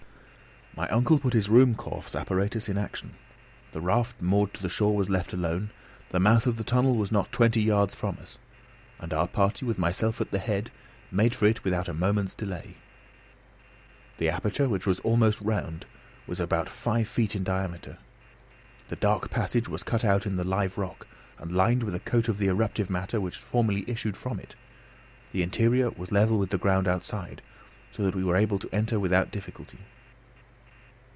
My uncle put his Ruhmkorff's apparatus in action; the raft moored to the shore was left alone; the mouth of the tunnel was not twenty yards from us; and our party, with myself at the head, made for it without a moment's delay. The aperture, which was almost round, was about five feet in diameter; the dark passage was cut out in the live rock and lined with a coat of the eruptive matter which formerly issued from it; the interior was level with the ground outside, so that we were able to enter without difficulty.